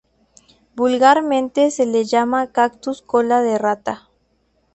Vulgarmente se le llama cactus cola de rata.